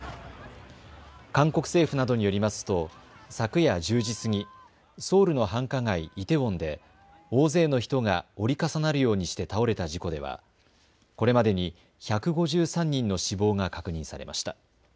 韓国政府などによりますと昨夜１０時過ぎ、ソウルの繁華街、イテウォンで大勢の人が折り重なるようにして倒れた事故ではこれまでに１５３人の死亡が確認されました。